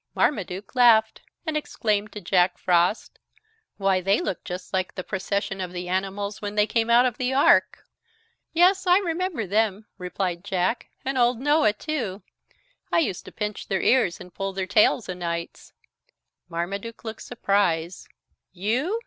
Marmaduke laughed and exclaimed to Jack Frost: "Why, they look just like the procession of the animals when they came out of the Ark." "Yes, I remember them," replied Jack. "And Old Noah too. I used to pinch their ears and pull their tails o' nights." Marmaduke looked surprised. "You!